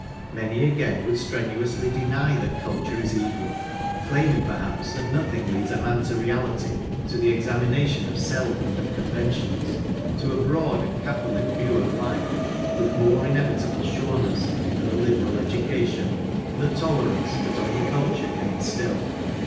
Many again would strenuously deny that culture is evil, claiming perhaps that nothing leads a man to Reality, to the examination of Self and of Conventions, to a broad and catholic view of life, with more inevitable sureness than a liberal education, and the tolerance that only culture can instil.